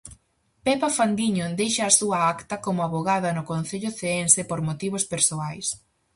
Pepa Fandiño deixa a súa acta como avogada no concello ceense por motivos persoais.